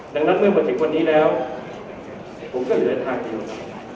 ดังนั้นเมื่อมาถึงวันนี้แล้วผมก็เหลือทางเดียว